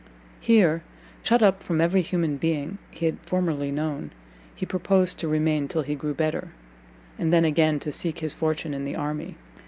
Here, shut up from every human being he had formerly known, he purposed to remain till he grew better, and then again to seek his fortune in the army.